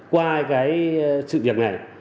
qua cái sự việc này